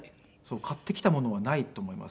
買ってきたものはないと思いますね。